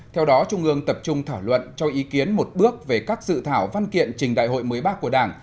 theo đó trung ương tập trung thảo luận cho ý kiến một bước về các dự thảo văn kiện trình đại hội mới bác của đảng